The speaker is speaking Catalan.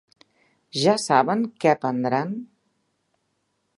Ja saben què prendran?